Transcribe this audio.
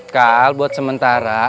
kal buat sementara